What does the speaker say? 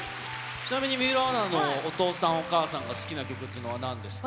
ちなみに水卜アナのお父さん、お母さんの好きな曲っていうのはなんですか。